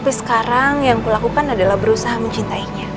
tapi sekarang yang kulakukan adalah berusaha mencintainya